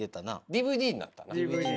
ＤＶＤになったな。